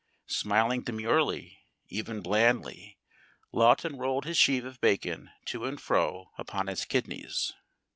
Smiling demurely, even blandly, Lawton rolled his sheave of bacon to and fro upon its kidneys.